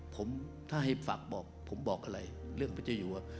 ผมถ้าให้ฝากบอกผมบอกอะไรเรื่องพระเจ้าอยู่ว่า